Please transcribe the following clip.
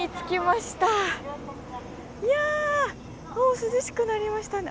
いやもう涼しくなりましたね。